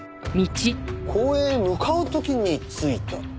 公園へ向かう時についた。